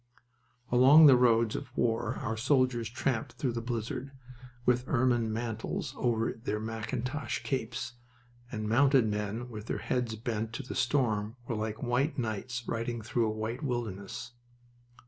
Along the roads of war our soldiers tramped through the blizzard with ermine mantles over their mackintosh capes, and mounted men with their heads bent to the storm were like white knights riding through a white wilderness.